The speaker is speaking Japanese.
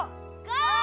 ゴー！